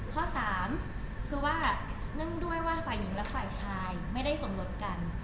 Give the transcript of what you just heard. ข้อสามคือว่าเนื่องด้วยว่าฝ่ายหญิงและฝ่ายชายไม่ได้สมรสกัน